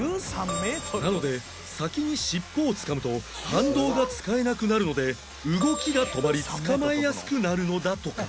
なので先に尻尾をつかむと反動が使えなくなるので動きが止まり捕まえやすくなるのだとか